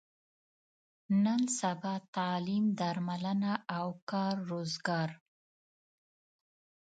نن سبا تعلیم، درملنه او کار روزګار.